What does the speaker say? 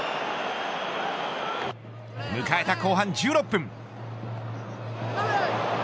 迎えた後半１６分。